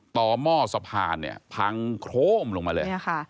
หม้อสะพานเนี่ยพังโครมลงมาเลย